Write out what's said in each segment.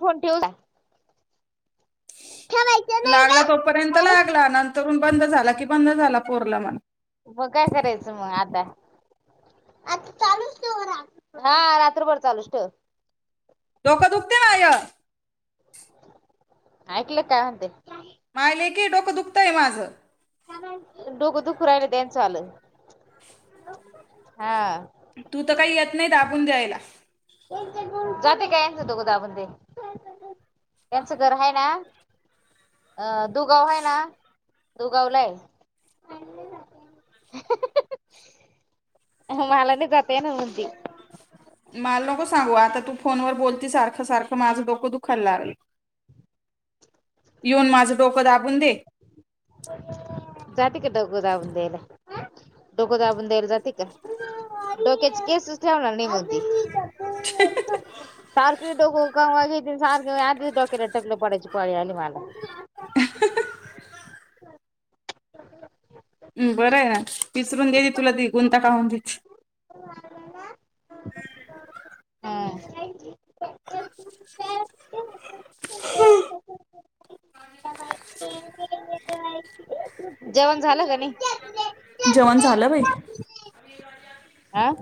Phone ठीवला. लागला तोपर्यंत लागला, नंतररुन बंद झाला की बंद झाला [unintelligible] मग काय करायचं मग आता चालूच ठेव रा. हा रात्रभर चालूच ठेवते. डोकं दुखतंय माय. ऐकले काय म्हणते. मायलेकी डोकं दुखतंय माझ. [unintelligible] डोकं दुखू राहिला त्यांचवल. हा तू तर काही येत नाही दाबून द्यायला. जाते काय डोकं दाबून दे. त्यांचं घर हाय ना अ दुगाव हाय ना? दुगावलाय. हंहंह, मला नाही जाता येनार म्हणते. मला नको सांगू आता तू फोनवर बोलती सारख सारख माझ डोक दुखायला लागल. येऊन माझ डोक दाबून दे. जाती का डोक दाबून द्यायला. डोक दाबून द्यायला जाती का? डोक्याची केसच ठेवणार नाही मग ती. सारखे डोक कंगवा घेते आणि सारख आधीच डोक्याला टकल पडायची पाळी आली मला. हंह हं, बरं आहे ना विसरून दे ती तुला ती गुंता काढून देते हा हम्म जेवण झाल का नाही? जेवण, झालं बाई. आं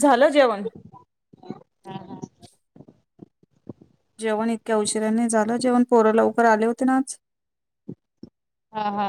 झाल जेवण. हा जेवण इतक्या उशिऱ्याने, झालं जेवण पोर लवकर आले होते ना आज हा, हा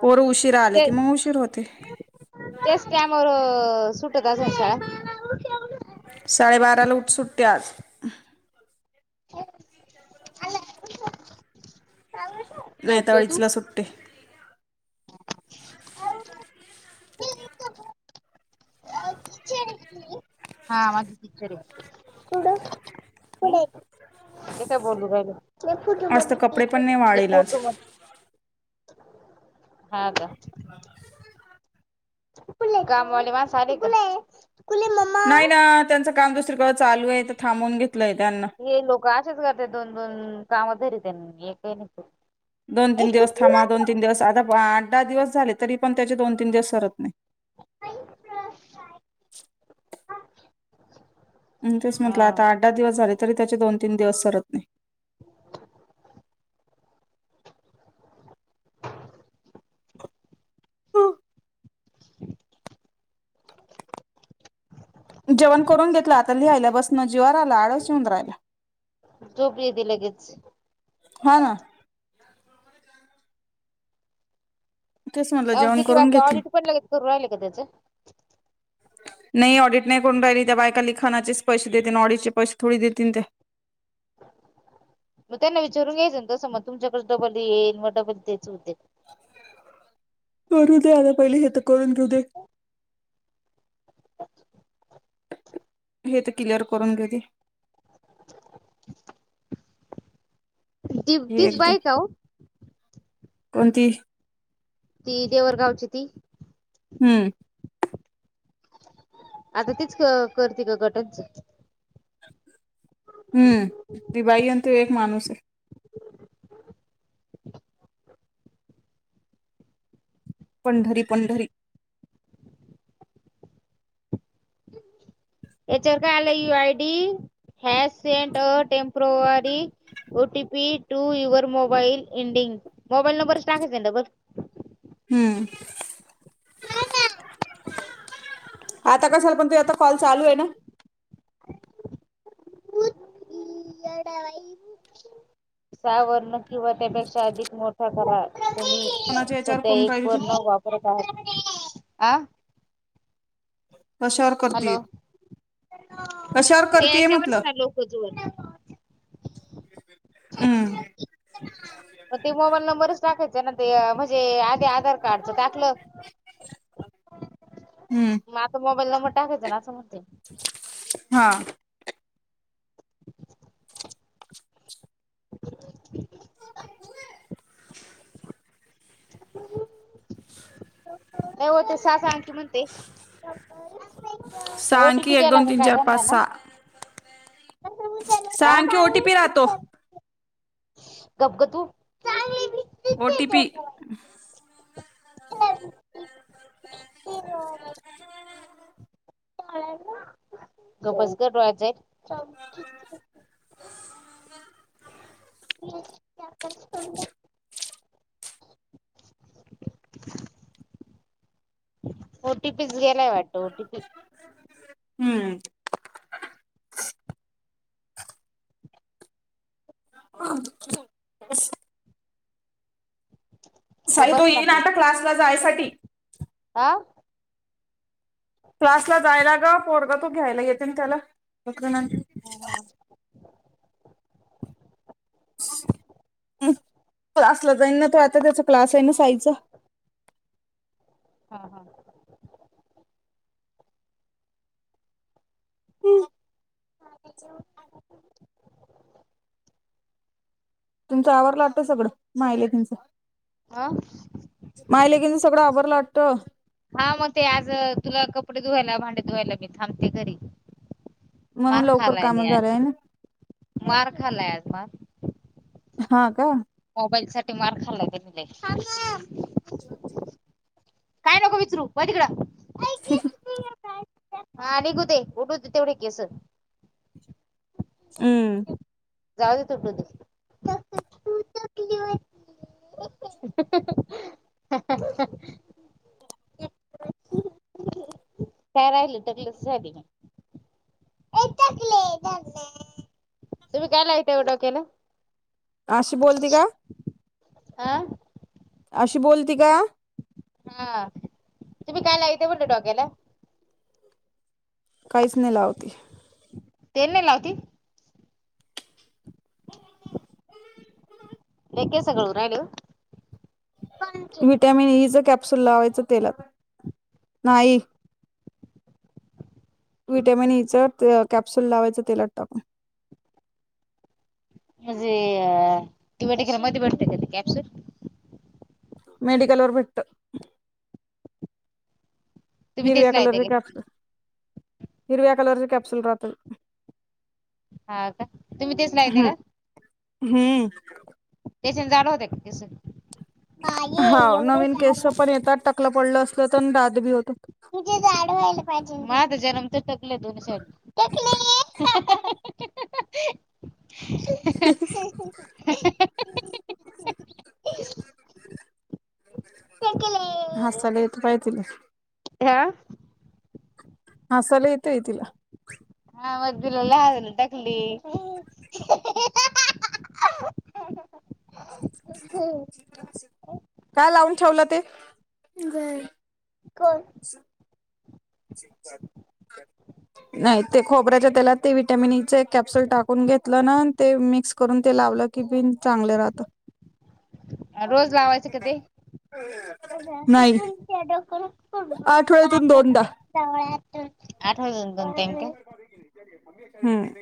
पोर उशीरा आले की मग उशीर होते. त्याच टाईमवर सुटत आसन शाळा. साडेबाराला उठ सुटते आज गप नाहीता काय तू अडीचला सुटते. हा माझी टिचर हॆ. ते काय बोलू राहिलो, आज तर कपडे पण नाही ते वाळेल आज फोटो हा, का कामवाले माणसं आले का? नाही ना त्यांचं काम दुसरीकळं चालू आहे, तर थांबून घेत हे लोक आशेच करत्यात दोन, दोन काम धरीतेन एकही नाय क दोन, तीन दिवस थांमा, दोन तीन दिवस, आता आठ दहा दिवस झाले तरी पण त्याचे दोन तीन दिवस सरत नाही. [unintelligible] तेच म्हटलं, हा आता आठ दहा दिवस झाले, तरी त्याचे दोन तीन दिवस सरत नाही. [unintelligible] हो जेवण करून घेतलं, आता लिहायला बसनं जीवार आलं, आळस येऊन राहिला. झोप येते लगेच. हा, ना तेच म्हटलं अ, जेवण किती करून वाजता, घेतलं ऑडिट पण लगेच करू राहिल का त्याच? नाही ऑडिट नाही करून राहिली, त्या बायका लिखाणाचेच पैसे देतील, ऑडिटचे पैसे थोडी देतील ते. [unintelligible] त्यांना विचारून घ्यायच ना तसं मग तुमच्याकडं डबल येईल, म डबल तेच होतय. करू दे, आता पहिले हे तर करून घेऊ दे. हे तर, क्लिअर करून घेऊ दे. ती हे तीच बाईक एकदम आहे काहो? कोणती? ती, देवरगावची ती? हम्म आता तेीच क करते का गटांच? हम्म, ती बाई अन तो एक माणूस आहे. पंढरी, पंढरी याच्यावर काय आलय, U I D has sent a temporary OTP to your mobile ending mobile number सांगायचा डबल हम्, आता कसंल पण ते आता कॉल चालू आहे ना? अडा [inaudible] सा वर्ण किंवा त्यापेक्षा अधिक मोठा घराळ कोणाच्या याच्यावर सध्या कोण एक राहिली तू पर न वापरत आहे. आ कशावर हॅलो करतील? ते याच्यावरच नाय लोक अजुन हम्म म, ते मोबाईल नंबरच टाकायचा त्यानंतर म्हणजे आधी आधार कार्डच टाकलं हम्म मग आता मोबाईल नंबर टाकायचा ना असं म्हणते हा [inaudible] [inaudible] नाही हो ‌ [unintelligible] सहा अंकी ओटीपी एक गेला दोन का तीन चार पाच काय [unintelligible] सांग की ओटीपी राहतो गप ग तू चालले मी ओटिपी ह [inaudible] [unintelligible] गप्प बस ग डोळ्यात जाईल र [unintelligible] [inaudible] ओटीपीच गेलाय वाटत ओटीपी हम्म [inaudible] साई तो बस येई ना तू आता क्लासला जायसाठी आ क्लासला जायला ग पोरगा तो घ्यायला येते ना त्याला हम् हम [unintelligible] क्लास आहे ना साईवचा हा हा तुमच आवरलं वाटतं सगळं मायलेकींचं हा मायलेकींचं सगळं आवरलं वाटतं हा मग ते आज तुला कपडे धुवायला भांडे धुवायला मी थांबते घरी म्हणून मार लवकर खालाय काम नाही झालंय आत ना मार खालाय आज मार हा का मोबाईल साठी मार खाल्लाय तेनी लय काय नको विचरू व्हय तिकडं [unintelligible] हा निघूते [unintelligible] तेवढे केस हम्म जाऊदे तुटूदे [unintelligible] काय राहिलं टकलच झाली तुम्ही काय लावता व डोक्याला आशी बोलती का हा अशी बोलती का हा तुम्ही काय लाविता म्हटलं डोक्याला काहीच नाही लावती तेल नाही लावती लय केस गळू राहिले व विटामिन ई च कॅप्सूल लावायचं तेलात नाही विटमिन ई चं ते कॅप्सुल लावायच तेलात टाकून म्हणजे अ ती बट कला मध्ये भेटते कधी कॅप्सर [unintelligible] मेडिकलूवर विट [unintelligible] तुम्ही हिरव्या तेच कलरचे लावताय कॅपसु हिरव्या कलरचे कॅप्सुल राहतल [unintelligible] हा का तुम्ही तेचला येत का [unintelligible] हम्म [unintelligible] जसे जाण होत कसे [unintelligible] हा नवीन केस पण येतात टाकलं पडलं असलं तर दाद बी होत- [inaudible] टकल दोन साट टकली [unintelligible] [unintelligible] हसालेेतो पाली [unintelligible] हह [unintelligible] ह सलेयेतयतीला [unintelligible] हा मधलेला ह ना टाकली [unintelligible] [unintelligible] काय लावून ठेवलं ते - [unintelligible] कोड [unintelligible] [unintelligible] नाही ते खोबऱ्याच्या त्याला ते विटॅमिन कॅप्सल टाकून घेतलं ना ते मिक्स करून त्या [unintelligible] लावलं की बि चांगले राहत [unintelligible] रोज लावायचं क नाही तेडक [unintelligible] आठवड्यातून दोनदा आठवण दन त्यां [unintelligible] हम् [unintelligible]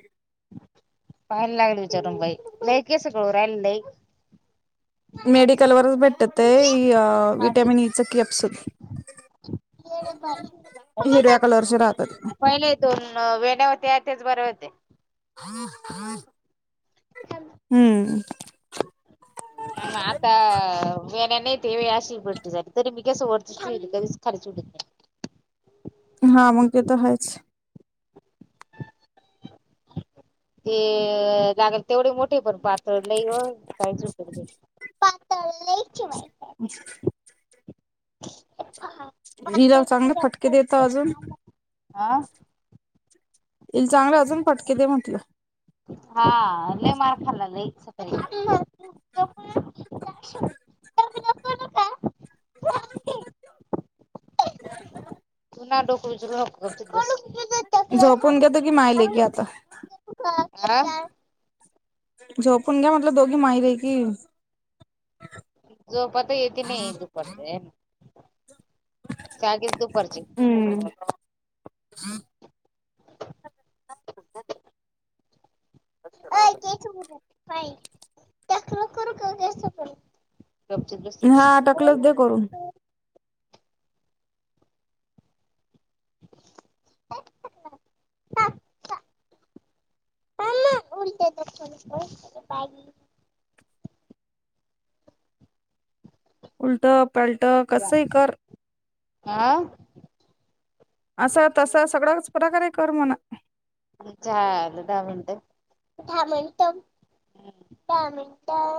पाहायला लागल विचारून बाई लई कस कळू राहिला लई [inaudible] मेडिकल वरच भेटतते माझे विटॅमिन ईचं कप्सल [unintelligible] ए बाई [unintelligible] कलरचे राहतात पहिले दोन वेड्या होते तेच बरे होते- [inaudible] ह हार [unintelligible] आ आता [unintelligible] ेण्या नाही ते वेशि पट्ट झाली तरी मी कसं वरतीच होईल कधीच खाच उडत नाही- [inaudible] हा अनकेत आहेच [unintelligible] ते लागल तेवढे मोठ [unintelligible] ठे पण पातळ ला काहीचट पातळची माहि [unintelligible] अच [unintelligible] [unintelligible] मला चांगलं फटके देत अजून हा [unintelligible] येल चांगलं अजून पटके ते म्हटलं [inaudible] हाले मार खालाच- [unintelligible] [unintelligible] तू ना डोकच हक्- [unintelligible] झोपून घ्याेतो कि मायले के आता [unintelligible] हा [unintelligible] झोपून घ्या म्हणलं दोघी मायरे की झो पता येत नाही दुपटतगच दुप [inaudible] करचे- [inaudible] [unintelligible] [unintelligible] हा बसते टक्कलच दे करून- [inaudible] [unintelligible] प उलट्या द बा [unintelligible] [unintelligible] उलट-पलट कसं ही कर. आ? असं तस सगळंच पटाकारे कर म्हण. झाल दहा मिनटं. दहा मिनट- दहा मिनटं.